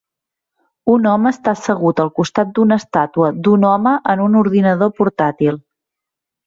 Un home està assegut al costat d'una estàtua d'un home en un ordinador portàtil.